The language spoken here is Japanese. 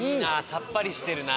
さっぱりしてるな。